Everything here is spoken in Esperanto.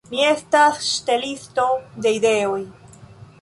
Mi estas ŝtelisto de ideoj.